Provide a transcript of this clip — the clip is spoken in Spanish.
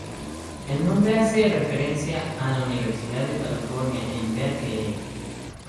El nombre hace referencia a la Universidad de California en Berkeley.